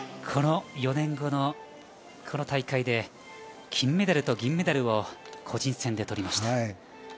４年後のこの大会で金メダルと銀メダルを個人戦で取りました。